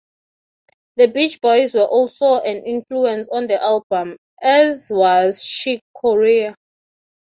The Beach Boys were also an influence on the album, as was Chick Corea.